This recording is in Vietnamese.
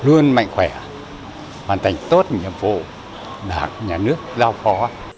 luôn mạnh khỏe hoàn thành tốt nhiệm vụ đảng nhà nước giao phó